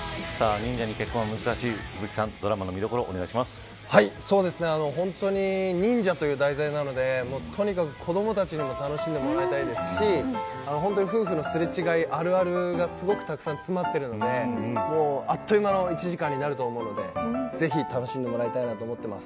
忍者に結婚は難しい鈴木さん、ドラマの見どころを本当に、忍者という題材なのでとにかく子どもたちにも楽しんでもらいたいですし夫婦のすれ違いあるあるがすごくたくさん詰まっているのであっという間の１時間になると思うのでぜひ楽しんでもらいたいなと思っています。